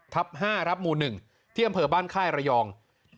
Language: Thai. ทับห้ารับมูลหนึ่งที่อำเภอบ้านค่ายระยอง